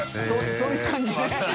そういう感じね。